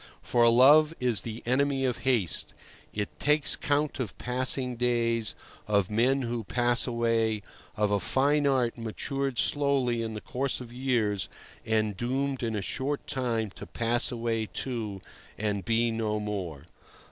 For love is the enemy of haste; it takes count of passing days, of men who pass away, of a fine art matured slowly in the course of years and doomed in a short time to pass away too, and be no more.